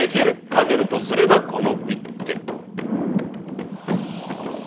勝てるとすればこの一手。